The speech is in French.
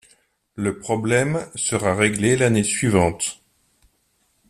Le problème sera réglé l'année suivante.